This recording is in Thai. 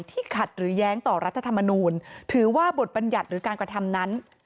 ขัดหรือแย้งต่อรัฐธรรมนูลถือว่าบทบัญญัติหรือการกระทำนั้น